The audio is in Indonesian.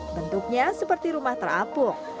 bentuknya seperti rumah terapung